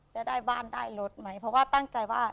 จะได้บ้านได้รถไหมเพราะว่าตั้งใจว่า